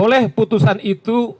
oleh putusan itu